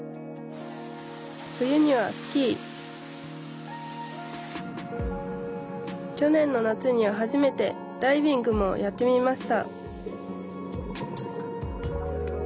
冬にはスキー去年の夏には初めてダイビングもやってみました！